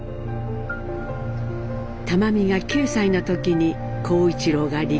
玉美が９歳の時に公一郎が離婚。